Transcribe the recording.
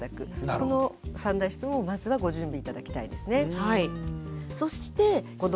この３大質問をまずはご準備頂きたいですね。